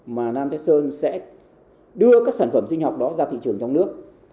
mà nam thái sơn sẽ đưa các sản phẩm sinh học đó ra thị trường trong nước